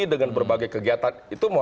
dengan berbagai kegiatan